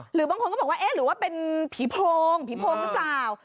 หรือบางคนก็บอกว่าเอ๊ะหรือว่าเป็นผีโพงผีโพงหรือเปล่า